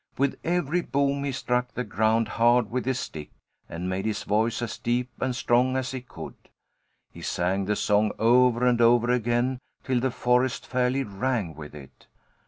With every boom he struck the ground hard with his stick and made his voice as deep and strong as he could. He sang the song over and over again, till the forest fairly rang with it.